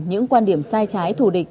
những quan điểm sai trái thủ địch